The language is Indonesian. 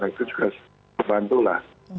itu juga membantu lah